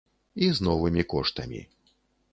І з новымі коштамі.